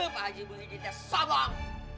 pak haji saya sudah sabar